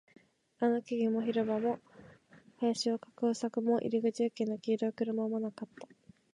あの木々も、広場も、林を囲う柵も、入り口付近の黄色い車もなかった